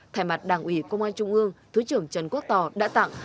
thay mặt đảng ủy công an trung ương thứ trưởng trần quốc tò đã tặng